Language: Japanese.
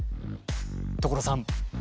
所さん！